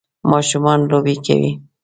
ماشومان لوبی کوی.